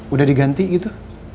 udah diganti gitu